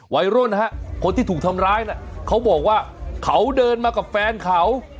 วัยรุ่นฮะคนที่ถูกทำร้ายน่ะเขาบอกว่าเขาเดินมากับแฟนเขา